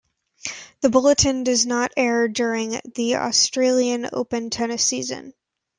The bulletin does not air during the Australian Open tennis season.